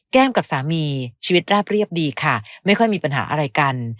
กับสามีชีวิตราบเรียบดีค่ะไม่ค่อยมีปัญหาอะไรกัน